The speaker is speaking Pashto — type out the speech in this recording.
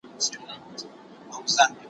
مرګ له خدایه په زاریو ځانته غواړي